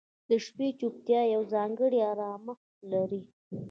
• د شپې چوپتیا یو ځانګړی آرامښت لري.